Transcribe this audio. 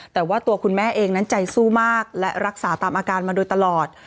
แต่ว่าตัวคุณแม่เองนั้นใจสู้มากและรักษาตามอาการมาโดยตลอด